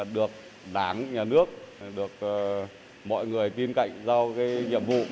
được đảng nhà nước mọi người tin cạnh giao nhiệm vụ